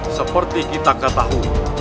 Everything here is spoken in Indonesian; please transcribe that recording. seperti kita ketahui